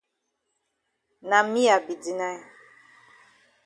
Na me I be deny.